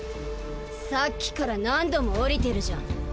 さっきから何度も下りてるじゃん。